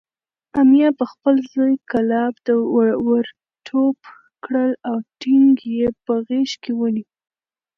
امیه پخپل زوی کلاب ورټوپ کړل او ټینګ یې په غېږ کې ونیو.